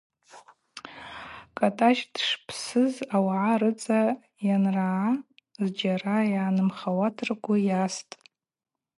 Кӏатӏащ дшпсыз ауагӏа рыцхӏа йанрагӏа зджьара йгӏанымхауата ргвы йастӏ.